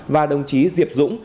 và đồng chí diệp dũng